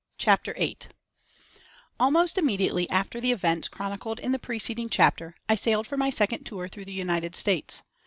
CHAPTER VIII Almost immediately after the events chronicled in the preceding chapter I sailed for my second tour through the United States.